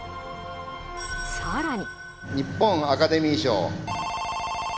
さらに。